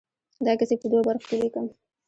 دا کیسې په دوو برخو کې ليکم.